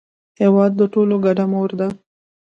هېواد د ټولو ګډه مور ده.